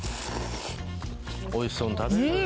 おいしそうに食べるよね